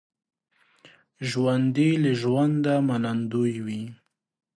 ژوندي له ژونده منندوی وي